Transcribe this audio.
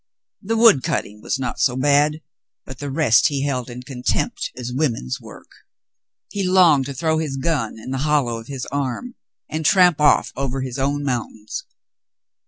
The wood cutting was not so bad, but the rest he held in contempt as women's work. He longed to throw his gun in the hol low of his arm and tramp off over his own mountains.